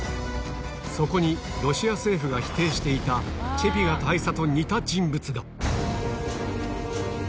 そこに、ロシア政府が否定していた、チェピガ大佐と似た人物が。